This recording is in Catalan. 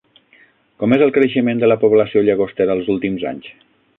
Com és el creixement de la població Llagostera els últims anys?